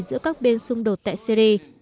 giữa các bên xung đột tại syri